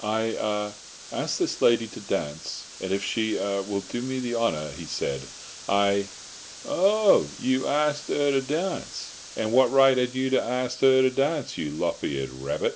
"I—ah—asked this lady to dance, and if she—er—will do me the honour," he said, "I—" "Oh! you arst 'er to darnce? And what right 'ad you to arst 'er to darnce, you lop eared rabbit?"